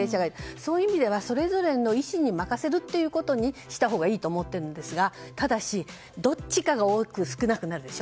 そういう意味ではそれぞれの意思に任せるということにしたほうがいいと思っているんですがただし、どっちかが多いか少なくかなるでしょ。